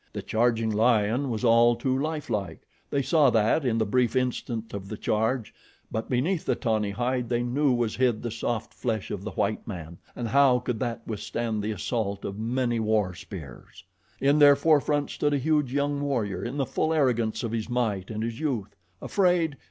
The charging lion was all too lifelike they saw that in the brief instant of the charge; but beneath the tawny hide they knew was hid the soft flesh of the white man, and how could that withstand the assault of many war spears? In their forefront stood a huge young warrior in the full arrogance of his might and his youth. Afraid?